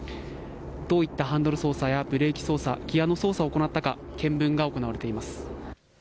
どういったハンドル操作やブレーキ操作ギアの操作を行ったか見聞が行われています。